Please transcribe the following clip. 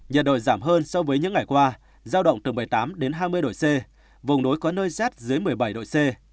nhiệt độ giảm hơn so với những ngày qua giao động từ một mươi tám đến hai mươi độ c vùng núi có nơi rét dưới một mươi bảy độ c